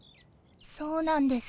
そうなんです。